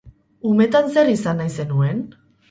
Umetan zer izan nahi zenuen?